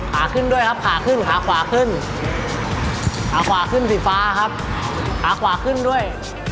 ขาขึ้นด้วยครับขาขึ้นขาขวาขึ้นขาขวาขึ้นสีฟ้าครับขาขวาขึ้นด้วย